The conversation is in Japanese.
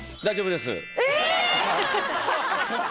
大丈夫です。え！